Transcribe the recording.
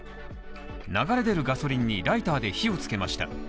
流れ出るガソリンにライターで火をつけました。